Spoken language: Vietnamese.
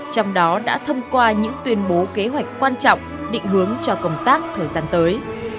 trong đó đã thông qua những tuyên bố kế hoạch quan trọng định hướng cho công tác thời gian tới